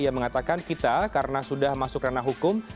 yang mengatakan kita karena sudah masuk ranah hukum